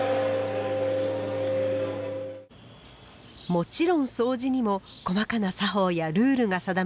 もちろんそうじにも細かな作法やルールが定められています。